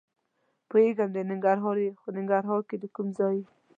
پوهېږم د ننګرهار یې؟ خو ننګرهار کې د کوم ځای یې؟